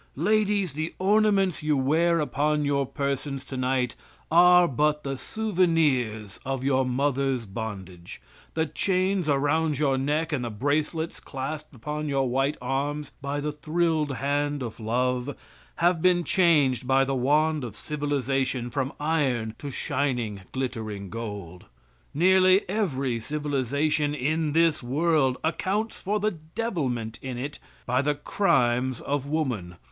Ladies, the ornaments you wear upon your persons tonight are but the souvenirs of your mother's bondage. The chains around your necks; and the bracelets clasped upon your white arms by the thrilled hand of love, have been changed by the wand of civilization from iron to shining, glittering gold. Nearly every civilization in this world accounts for the devilment in it by the crimes of woman.